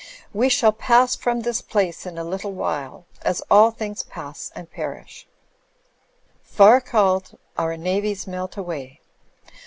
We shall pass from this place in a little while as all things pass and perish: Far called, oiir navies melt away.